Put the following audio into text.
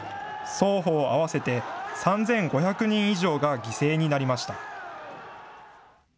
双方合わせて３５００人以上が犠牲になりました。